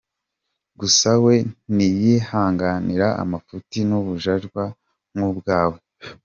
Gusa we ntiyihanganira amafuti n’ubujajwa nk’ubwawe.